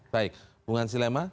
baik bung hansilema